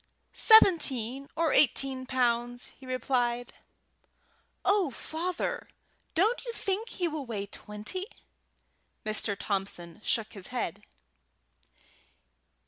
"Seventeen or eighteen pounds," replied he. "Oh, Father! don't you think he will weigh twenty?" Mr. Thompson shook his head.